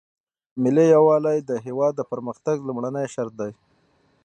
ملي یووالی د هیواد د پرمختګ لومړنی شرط دی.